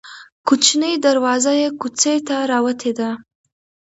کوچنۍ دروازه یې کوڅې ته راوتې ده.